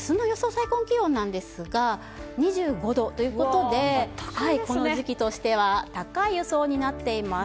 最高気温なんですが２５度ということでこの時期としては高い予想になっています。